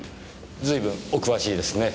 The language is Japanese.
随分お詳しいですね。